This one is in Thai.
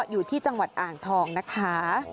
อยู่ที่จังหวัดอ่างทองนะคะ